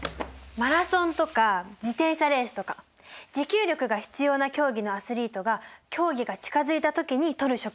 マラソンとか自転車レースとか持久力が必要な競技のアスリートが競技が近づいた時にとる食事のことだよ。